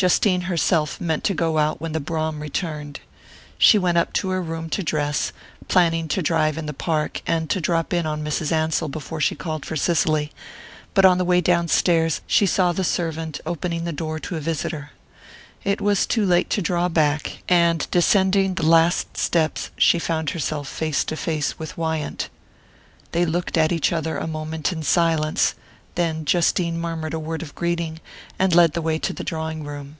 Justine herself meant to go out when the brougham returned. She went up to her room to dress, planning to drive in the park, and to drop in on Mrs. Ansell before she called for Cicely; but on the way downstairs she saw the servant opening the door to a visitor. It was too late to draw back; and descending the last steps she found herself face to face with Wyant. They looked at each other a moment in silence; then Justine murmured a word of greeting and led the way to the drawing room.